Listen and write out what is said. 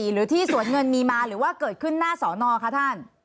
หรือที่สวนเงินมีมาหรือว่าเกิดขึ้นหน้าสอนอคะท่าน